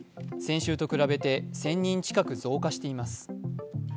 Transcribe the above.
先週と比べて１０００人近く増加しています。